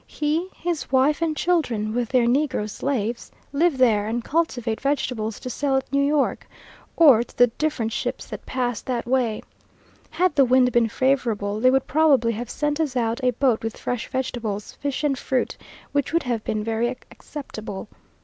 He, his wife and children, with their negro slaves! live there, and cultivate vegetables to sell at New York, or to the different ships that pass that way. Had the wind been favourable, they would probably have sent us out a boat with fresh vegetables, fish, and fruit, which would have been very acceptable.